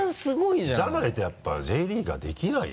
じゃないとやっぱＪリーガーできないよ？